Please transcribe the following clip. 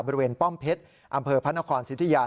ป้อมเพชรอำเภอพระนครสิทธิยา